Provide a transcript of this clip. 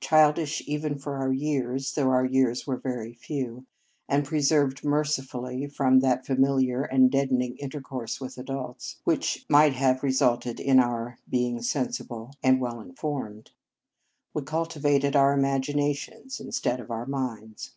Childish even for our years, though our years were very few, and preserved mercifully from that familiar and deadening inter course with adults, which might have resulted in our being sensible and well informed, we cultivated our im aginations instead of our minds.